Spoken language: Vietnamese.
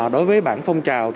đối với bảng phong trào